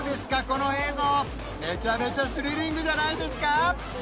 この映像めちゃめちゃスリリングじゃないですか？